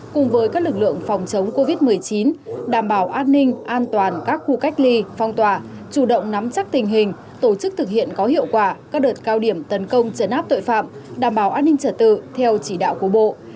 cùng với các lực lượng phòng chống covid một mươi chín đảm bảo an ninh an toàn các khu cách ly phong tỏa chủ động nắm chắc tình hình tổ chức thực hiện có hiệu quả các đợt cao điểm tấn công chấn áp tội phạm đảm bảo an ninh trật tự theo chỉ đạo của bộ